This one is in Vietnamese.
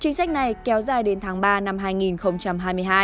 chính sách này kéo dài đến tháng ba năm hai nghìn hai mươi hai